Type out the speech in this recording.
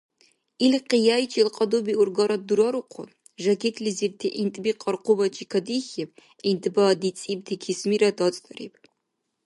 Ил къияйчил кьадуби-ургарад дурарухъун, жакетлизирти гӀинтӀби къаркъубачи кадихьиб, гӀинтӀба дицӀибти кисмира дацӀдариб.